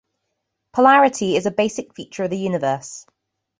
Polarity is a basic feature of the universe.